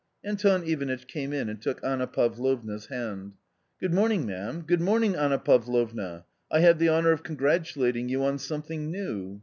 Anton Ivanitch came in and took Anna Pavlovna's hand. " Good morning, ma'am, good morning, Anna Pavlovna ! I have the honour of congratulating you on something new."